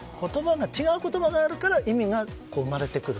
違う言葉があるから意味が生まれる。